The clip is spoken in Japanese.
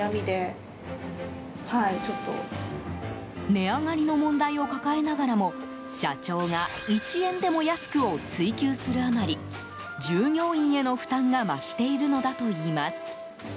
値上がりの問題を抱えながらも社長が１円でも安くを追求するあまり従業員への負担が増しているのだといいます。